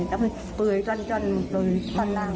แล้วมันเปลือยจ้อนโดนท่อนล่าง